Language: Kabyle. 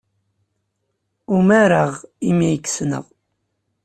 Umareɣ imi ay k-ssneɣ.